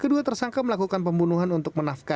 kedua tersangka melakukan pembunuhan untuk menafsir